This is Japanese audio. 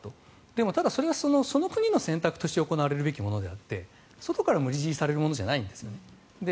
でもただそれはその国の選択として行われるべきものであって外から無理強いされるものじゃないんですよね。